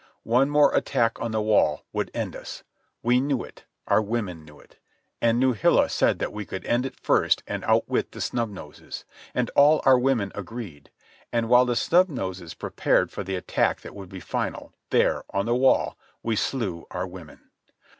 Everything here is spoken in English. One more attack on the wall would end us. We knew it. Our women knew it. And Nuhila said that we could end it first and outwit the Snub Noses. And all our women agreed. And while the Snub Noses prepared for the attack that would be final, there, on the wall, we slew our women.